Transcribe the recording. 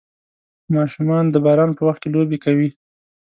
ماشومان د باران په وخت کې لوبې کوي.